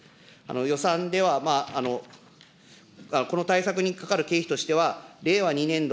予算では、この対策にかかる経費としては、令和２年度、